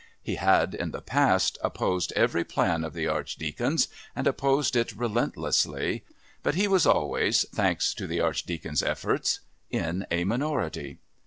He had, in the past, opposed every plan of the Archdeacon's, and opposed it relentlessly, but he was always, thanks to the Archdeacon's efforts, in a minority.